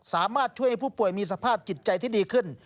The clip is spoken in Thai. สามารถช่วยให้ผู้ป่วยมีสภาพจิตใจที่ดีขึ้น